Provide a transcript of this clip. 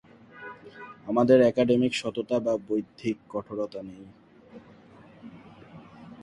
আমাদের একাডেমিক সততা বা বৌদ্ধিক কঠোরতা নেই।